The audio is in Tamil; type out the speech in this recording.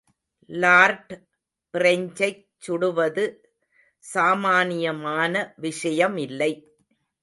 லார்ட் பிரெஞ்சைச் சுடுவது சாமானியமான விஷயமில்லை.